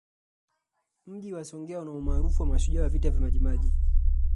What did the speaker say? Mji wa Songea una umaarufu wa mashujaa wa Vita vya Majimaji